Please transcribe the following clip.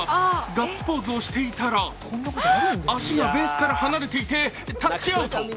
ガッツポーズをしていたら足がベースから離れていてタッチアウト。